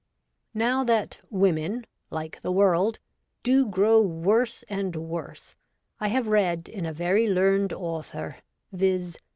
' Now that women (like the world) do grow worse and worse, I have read in a very learned authour, viz.